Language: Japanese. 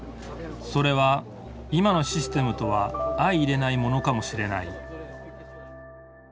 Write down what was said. それは今のシステムとは相いれないものかもしれない